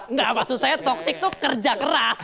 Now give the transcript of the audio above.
enggak maksud saya toxic itu kerja keras